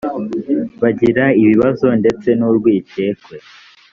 bagira ibibazo ndetse n ‘urwikekwe.